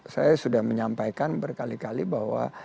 saya sudah menyampaikan berkali kali bahwa